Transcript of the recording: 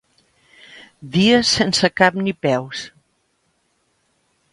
Dies sense cap ni peus.